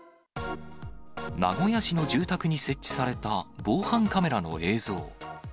名古屋市の住宅に設置された防犯カメラの映像。